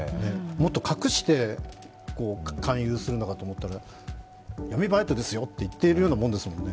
もっと隠して勧誘するのかと思ったら、闇バイトですよって言ってるようなもんですよね。